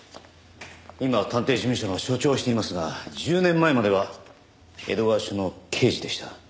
今は探偵事務所の所長をしていますが１０年前までは江戸川署の刑事でした。